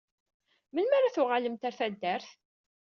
Melmi ara tuɣalemt ɣer taddart?